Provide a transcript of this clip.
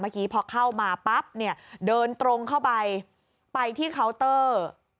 เมื่อกี้พอเข้ามาปั๊บเนี่ยเดินตรงเข้าไปไปที่เคาน์เตอร์